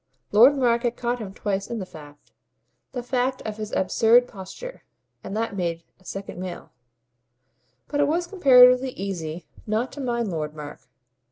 Lord Mark had caught him twice in the fact the fact of his absurd posture; and that made a second male. But it was comparatively easy not to mind Lord Mark.